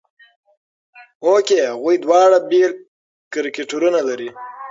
هوکې هغوی دواړه بېل کرکټرونه لري.